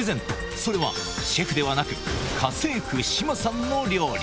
それは、シェフではなく、家政婦、志麻さんの料理。